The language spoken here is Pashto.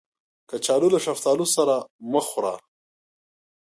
کچالو له شفتالو سره مه خوړه